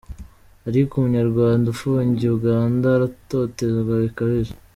ariko umunyarwanda ufungiye Uganda aratotezwa bikabije.